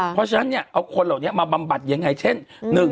เพราะฉะนั้นเนี่ยเอาคนเหล่านี้มาบำบัดยังไงเช่น